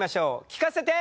聞かせて！